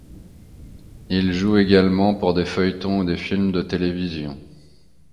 Il joue également pour des feuilletons ou des films de télévision.